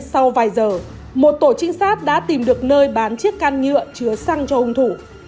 sau vài giờ một tổ trinh sát đã tìm được nơi bán chiếc can nhựa chứa xăng cho hung thủ